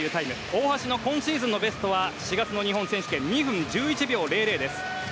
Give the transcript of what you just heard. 大橋の今シーズンのベストは４月の日本選手権２分１１秒００です。